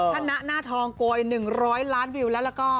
ถ้านะหน้าทองโกย๑๐๐ล้านวิวแล้วก็